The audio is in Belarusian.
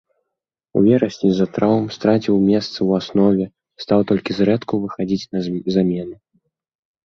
У верасні з-за траўм страціў месца ў аснове, стаў толькі зрэдку выхадзіць на замену.